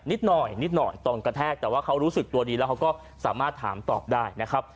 นิดหน่อยนิดหน่อยตอนกระแทกแต่ว่าเขารู้สึกตัวดีแล้วเขาก็สามารถถามตอบได้นะครับ